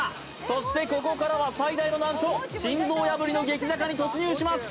そしてここからは最大の難所心臓破りの激坂に突入します